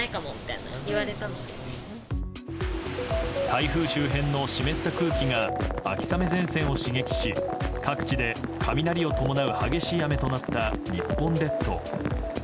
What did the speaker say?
台風周辺の湿った空気が秋雨前線を刺激し各地で雷を伴う激しい雨となった日本列島。